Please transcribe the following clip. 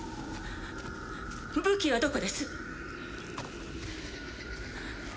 武器はどこです？